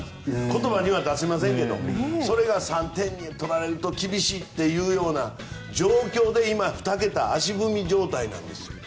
言葉には出しませんけどそれが３点取られると厳しいという状況で今、２桁足踏み状態なんです。